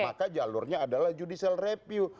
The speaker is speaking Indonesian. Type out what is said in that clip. maka jalurnya adalah judicial review